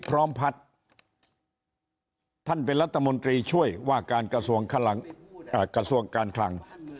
พร้อมพัฒน์ท่านเป็นรัฐมนตรีช่วยว่าการกระทรวงการคลัง